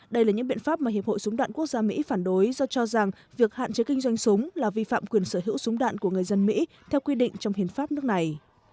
đây là những biện pháp mà hiệp hội súng đạn quốc gia mỹ phản đối do cho rằng việc hạn chế kinh doanh súng là vi phạm quyền sở hữu súng đạn của người dân mỹ theo quy định trong hiến pháp nước này